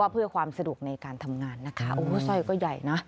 เพื่อความสะดวกในการทำงานนะคะโอ้สร้อยก็ใหญ่นะ